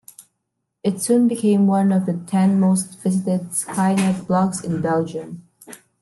It soon became one of the ten most visited Skynetblogs in Belgium.